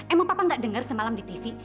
emang papa gak denger semalam di tv